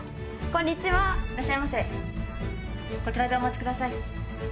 こちらでお待ちください。